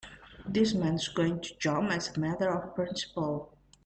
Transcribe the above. This man's going to jump as a matter of principle.